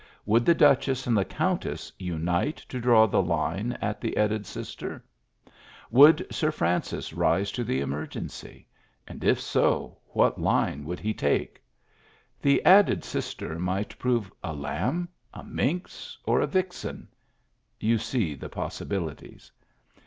Would the duchess and the countess unite to draw the line at the added sister ? Would Sir Francis rise to the emergency? and if so, what line would he take? The added sister might prove a lamb, a minx, or a vixen. You see the possibilities.